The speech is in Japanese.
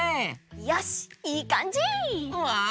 よしいいかんじ！わい！